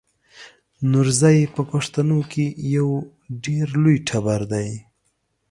نورزی په پښتنو کې یو ډېر لوی ټبر دی.